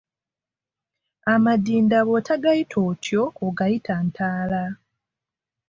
Amadinda bw'otagayita otyo ogayita Ntaala.